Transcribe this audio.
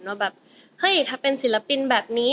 ว่าแบบเฮ้ยถ้าเป็นศิลปินแบบนี้